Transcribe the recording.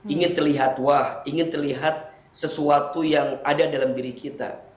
ingin terlihat wah ingin terlihat sesuatu yang ada dalam diri kita